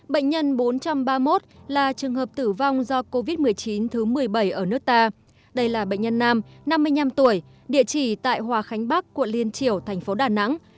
bệnh nhân bốn trăm ba mươi một là trường hợp tử vong do covid một mươi chín thứ một mươi bảy ở nước ta đây là bệnh nhân nam năm mươi năm tuổi địa chỉ tại hòa khánh bắc quận liên triều thành phố đà nẵng